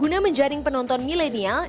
guna menjaring penonton milenial